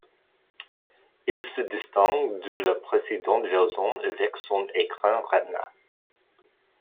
Il se distingue de la précédente version avec son écran Retina.